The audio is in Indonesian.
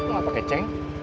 lu gak pakai ceng